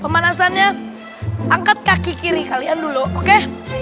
pemanasannya angkat kaki kiri kalian dulu oke